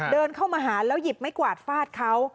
เดินเข้ามาหาแล้วหยิบไม้กวาดฟาดเขา